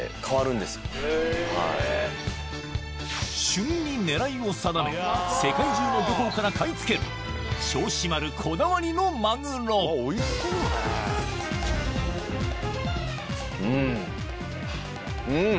旬に狙いを定め世界中の漁港から買い付ける銚子丸こだわりのマグロうんうん！